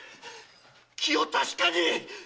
気を確かに！